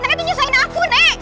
nenek tuh nyusahin aku nek